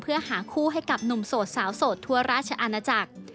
เพื่อหาคู่ให้กับหนุ่มโสดสาวโสดทั่วราชอาณาจักร